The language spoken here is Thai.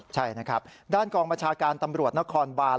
ใช่นะครับด้านกองบัญชาการตำรวจนครบาน